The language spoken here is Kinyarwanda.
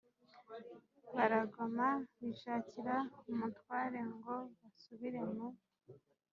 baragoma bishakira umutware ngo basubire mu